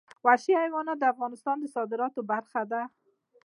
وحشي حیوانات د افغانستان د صادراتو برخه ده.